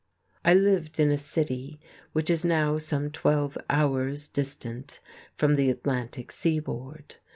I lived in a city which is now some twelve hours distant from the Atlantic seaboard.